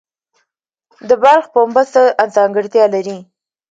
د بلخ پنبه څه ځانګړتیا لري؟